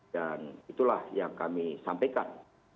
dan itulah yang kami sampaikan